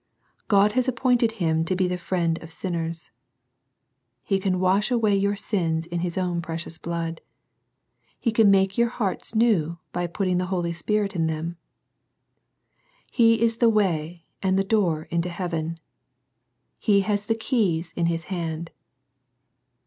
God has appointed Him to be the Friend of sinners. He can wash away your sins in His own precious blood. He can make your hearts new by putting the Holy Spirit in them. He is the Way and the Door into heaven. He has the keys in His hand.